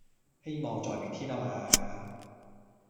希望在明天呀嘛